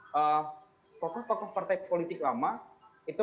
jadi pokok pokok partai politik lama itu mendirikan